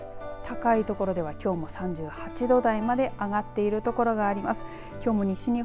高いところではきょうも３８度台まで上がっているところがあります。